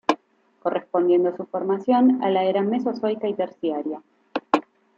Correspondiendo su formación a la era Mesozoica y Terciaria.